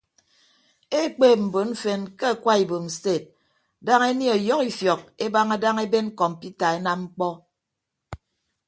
Ekpeep mbon mfen ke akwa ibom sted daña enie ọyọhọ ifiọk ebaña daña eben kọmpiuta enam ñkpọ.